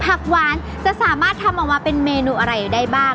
ผักหวานจะสามารถทำออกมาเป็นเมนูอะไรได้บ้าง